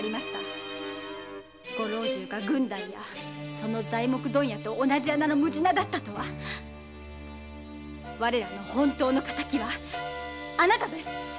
ご老中が郡代や材木問屋と同じ穴のムジナだったとは我らの本当の仇はあなたです‼